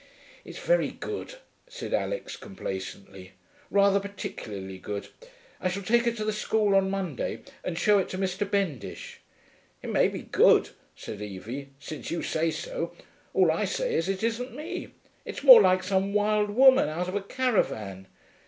'It's very good,' said Alix complacently. 'Rather particularly good. I shall take it to the School on Monday and show it to Mr. Bendish.' 'It may be good,' said Evie, 'since you say so. All I say is, it isn't me. It's more like some wild woman out of a caravan.